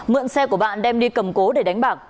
mượn xe của bạn đem đi cầm cố để đánh bạc